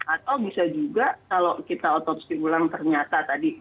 atau bisa juga kalau kita otopsi ulang ternyata tadi